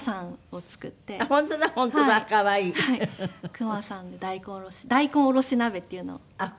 クマさんの大根おろし大根おろし鍋っていうのを作って。